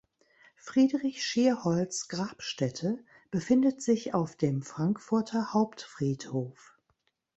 Friedrich Schierholz’ Grabstätte befindet sich auf dem Frankfurter Hauptfriedhof.